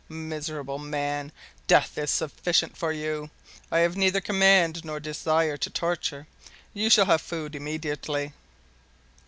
"Miserable man, death is sufficient for you. I have neither command nor desire to torture. You shall have food immediately."